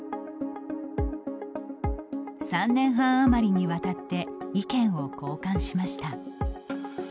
３年半余りにわたって意見を交換しました。